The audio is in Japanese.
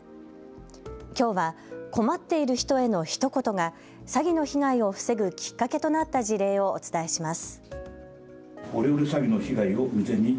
きょうは困っている人へのひと言が詐欺の被害を防ぐきっかけとなった事例をお伝えします。